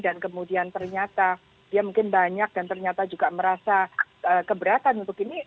dan kemudian ternyata dia mungkin banyak dan ternyata juga merasa keberatan untuk ini